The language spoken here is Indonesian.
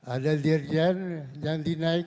ada dirjen yang dinaik